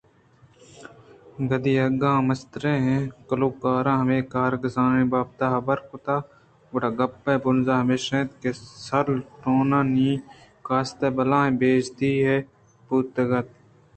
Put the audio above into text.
کدی اگاں آ مستر ءُکلرکاں مئے کار گسانی بابت ءَ حبر کُت گڑا گپ ءِ بُنزہ ہمیش اَت سارٹونی ءِ قاصد ءِ بلاہیں بے عزتی ئے بوتگ اَت